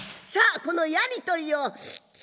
このやり取りを。